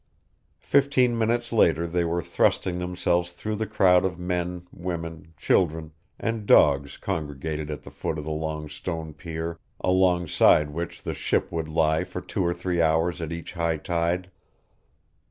Fifteen minutes later they were thrusting themselves through the crowd of men, women, children, and dogs congregated at the foot of the long stone pier alongside which the ship would lie for two or three hours at each high tide.